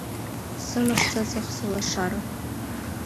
Сымыш-сыҵых сылашара.